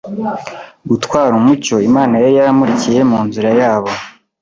gutwara umucyo Imana yari yaramurikiye mu nzira yabo.